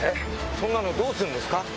そんなのどうするんですか？